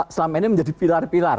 selama ini menjadi pilar pilar